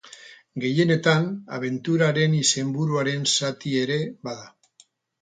Gehienetan, abenturaren izenburuaren zati ere bada.